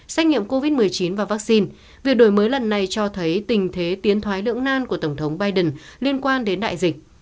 xét nghiệm covid một mươi chín và vaccine việc đổi mới lần này cho thấy tình thế tiến thoái lưỡng nan của tổng thống biden liên quan đến đại dịch